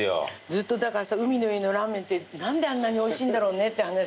ずっと海の家のラーメンって何であんなにおいしいんだろうねって話して。